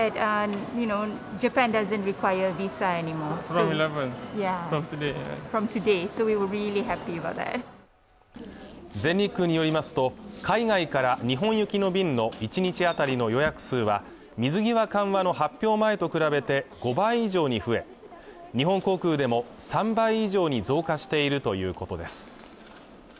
全日空によりますと海外から日本行きの便の１日あたりの予約数は水際緩和の発表前と比べて５倍以上に増え日本航空でも３倍以上に増加しているということです